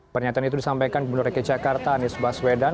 pernyataan itu disampaikan gubernur rki jakarta anies baswedan